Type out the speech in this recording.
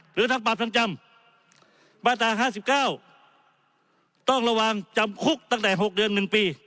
หรือทั้งปรับทั้งจำมาตรา๕๙ต้องระวังจำคุกตั้งแต่๖เดือน๑ปี